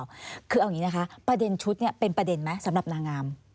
คือเอาอย่างนี้นะคะประเด็นชุดเนี่ยเป็นประเด็นไหมสำหรับนางงาม